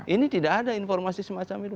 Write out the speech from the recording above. ini tidak ada informasi semacam itu